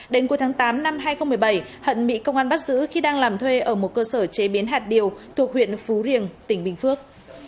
đến cuối tháng tám năm hai nghìn một mươi bảy hận bị công an bắt giữ khi đang làm thuê ở một cơ sở chế biến hạt điều thuộc huyện phú riềng tỉnh bình phước